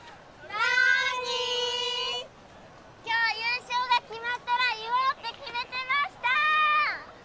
今日優勝が決まったら言おうって決めてました！